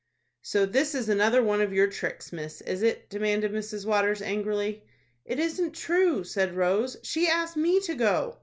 "So this is another one of your tricks, miss, is it?" demanded Mrs. Waters, angrily. "It isn't true," said Rose. "She asked me to go."